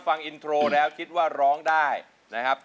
ฟังอินโทรแล้วคิดว่าร้องได้นะครับ